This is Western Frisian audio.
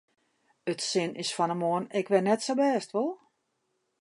It sin is fan 'e moarn ek wer net sa bêst, wol?